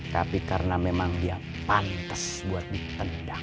tapi karena memang dia pantas buat ditendang